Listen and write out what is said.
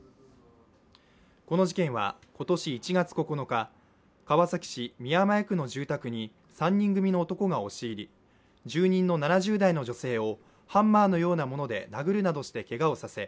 この事件は今年１月９日、川崎市宮前区の住宅に３人組の男が押し入り住人の７０代の女性をハンマーのようなもので殴るなどしてけがをさせ